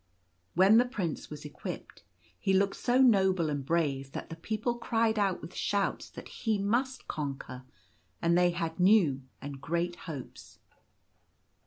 When the Prince was equipped, he looked so noble and brave that the people cried out with shouts that he must conquer ; and they had new and great hopes.